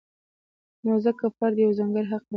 نو ځکه فرد یو ځانګړی حق لري.